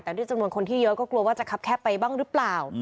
แต่ด้วยจำนวนคนที่เยอะก็กลัวว่าจะคับแคบไปบ้างหรือเปล่า